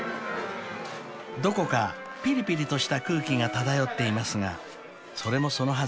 ［どこかぴりぴりとした空気が漂っていますがそれもそのはず］